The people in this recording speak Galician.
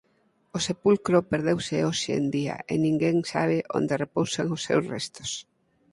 O sepulcro perdeuse hoxe en día e ninguén sabe onde repousan os seus restos.